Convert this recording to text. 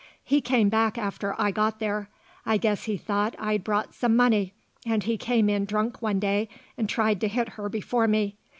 "He came back after I got there. I guess he thought I'd brought some money, and he came in drunk one day and tried to hit her before me.